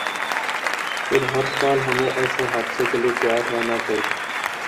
پھر ہرسال ہمیں ایسے حادثے کے لیے تیار رہنا چاہیے۔